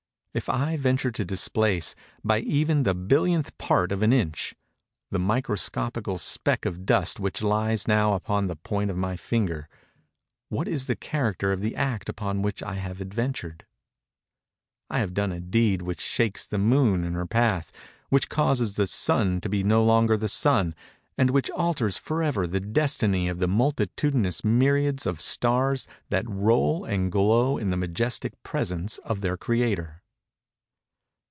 If I venture to displace, by even the billionth part of an inch, the microscopical speck of dust which lies now upon the point of my finger, what is the character of that act upon which I have adventured? I have done a deed which shakes the Moon in her path, which causes the Sun to be no longer the Sun, and which alters forever the destiny of the multitudinous myriads of stars that roll and glow in the majestic presence of their Creator.